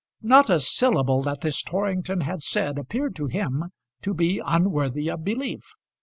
Not a syllable that this Torrington had said appeared to him to be unworthy of belief.